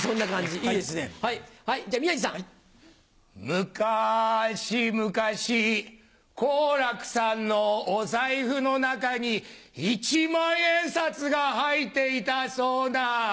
むかしむかし好楽さんのお財布の中に１万円札が入っていたそうな。